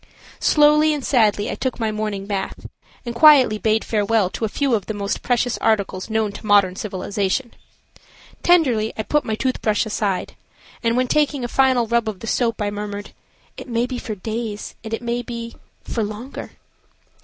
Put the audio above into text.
Slowly and sadly I took my morning bath and quietly bade farewell to a few of the most precious articles known to modern civilization. Tenderly I put my tooth brush aside, and, when taking a final rub of the soap, I murmured, "It may be for days, and it may be–for longer."